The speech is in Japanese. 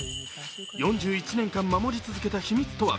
４１年間守り続けた秘密とは？